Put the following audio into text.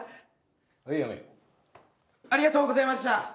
はいやめありがとうございました